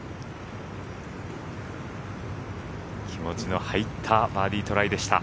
気持ちの入ったバーディートライでした。